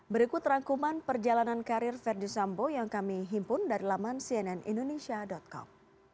berikut rangkuman perjalanan karir verdi sambo yang kami himpun dari laman cnnindonesia com